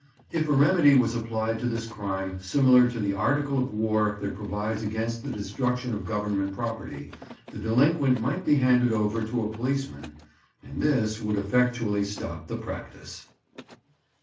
If a remedy was applied to this crime, similar to the Article of War that provides against the destruction of Government property, the delinquent might be handed over to a policeman, and this would effectually stop the practice.